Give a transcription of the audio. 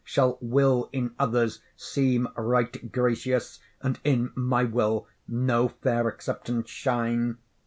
Shall will in others seem right gracious, And in my will no fair acceptance shine?